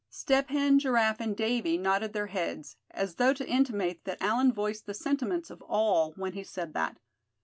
Step Hen, Giraffe and Davy nodded their heads, as though to intimate that Allan voiced the sentiments of all when he said that.